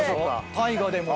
大河でも。